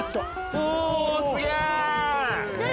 おすげえ。